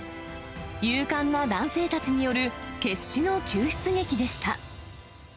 勇敢な男性たちによる決死の救出劇でした。